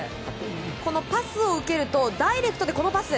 このパスを受けるとダイレクトでこのパス。